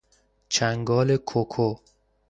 چنگال کوکو